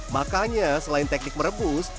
makanya selain teknik merebus